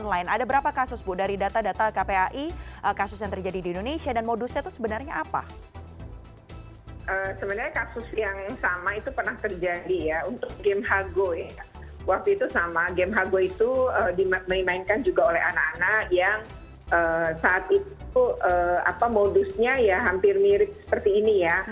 waktu itu sama game hago itu dimainkan juga oleh anak anak yang saat itu modusnya hampir mirip seperti ini ya